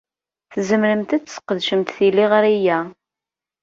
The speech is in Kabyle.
Tzemremt ad tesqedcemt tiliɣri-a.